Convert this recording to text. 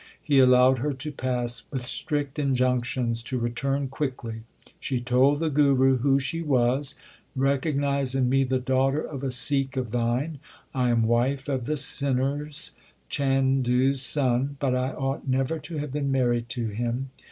He allowed her to pass with strict injunc tions to return quickly. She told the Guru who she was : Recognize in me the daughter of a Sikh of thine. I am wife of the sinner s (Chandu s) son, but I ought never to have been married to him.